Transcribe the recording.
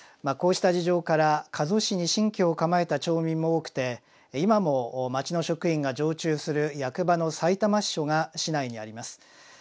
まあこうした事情から加須市に新居を構えた町民も多くて今も町の職員が常駐する役場の埼玉支所が市内にあります。